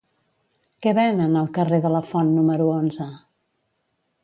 Què venen al carrer de Lafont número onze?